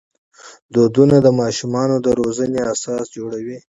فرهنګ د ماشومانو د روزني اساس جوړوي.